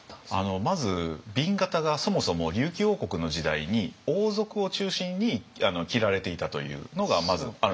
まず紅型がそもそも琉球王国の時代に王族を中心に着られていたというのがまずあるんです。